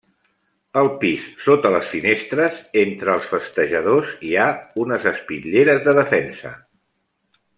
Al pis, sota les finestres, entre els festejadors, hi ha unes espitlleres de defensa.